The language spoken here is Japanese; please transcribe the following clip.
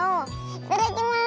いただきます！